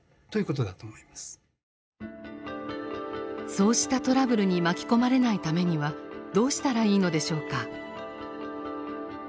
そうしたトラブルに巻き込まれないためにはどうしたらいいのでしょうか。